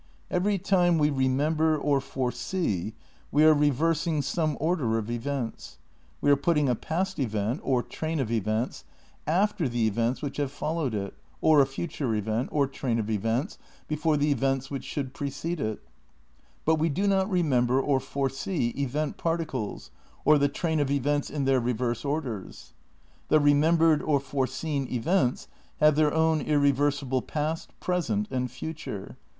Every time we remember or foresee we are reversing some order of events ; we are putting a past event, or VII RECONSTRUCTION OF IDEALISM 249 train of events, after the events wMch liave followed it, or a future event, or train of events, before the events which should precede it. But we do not remember or foresee event particles or the train of events in their reverse orders. The remembered or foreseen events have their own irreversible past, present and future.